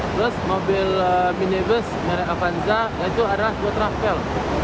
terus mobil minibus merek avanza yaitu arah buat travel